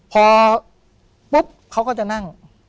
พอปุ๊บเขาก็จะนั่ง